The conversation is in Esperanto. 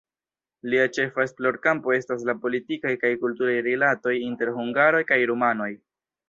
Lia ĉefa esplorkampo estas la politikaj kaj kulturaj rilatoj inter hungaroj kaj rumanoj.